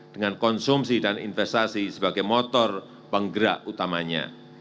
dengan konsumsi dan investasi sebagai motor penggerak utamanya